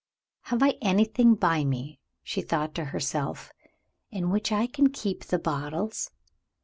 "Have I anything by me," she thought to herself, "in which I can keep the bottles?"